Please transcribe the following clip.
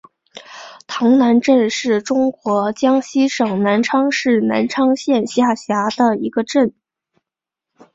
塘南镇是中国江西省南昌市南昌县下辖的一个镇。